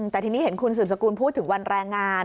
แต่ทีนี้เห็นคุณสืบสกุลพูดถึงวันแรงงาน